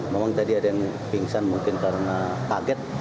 memang tadi ada yang pingsan mungkin karena kaget